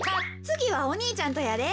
つぎはお兄ちゃんとやで。